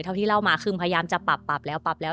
เท่าที่เล่ามาคือพยายามจะปรับแล้ว